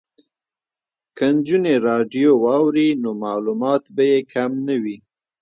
که نجونې راډیو واوري نو معلومات به یې کم نه وي.